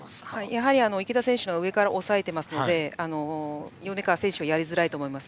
やはり池田選手が上から押さえていますので米川選手はやりづらいと思います。